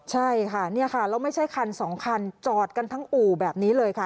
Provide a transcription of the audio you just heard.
ใช่ค่ะเนี่ยค่ะแล้วไม่ใช่คันสองคันจอดกันทั้งอู่แบบนี้เลยค่ะ